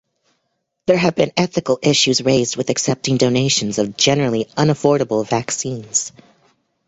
There have been ethical issues raised with accepting donations of generally unaffordable vaccines.